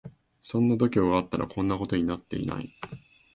そんな度胸があったらこんなことになってない